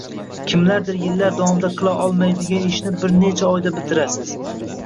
kimlardir yillar davomida qila olmaydigan ishni bir necha oyda bitirasiz.